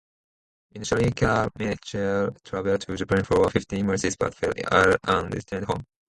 Initially Carmichael traveled to Japan for fifteen months, but fell ill and returned home.